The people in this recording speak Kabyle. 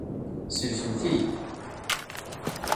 Sellkemt-iyi.